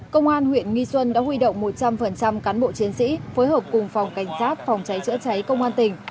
công an huyện nghi xuân đã huy động một trăm linh cán bộ chiến sĩ phối hợp cùng phòng cảnh sát phòng cháy chữa cháy công an tỉnh